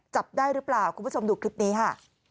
จับได้หรือเปล่าคุณผู้ชมดูคลิปนี้ค่ะ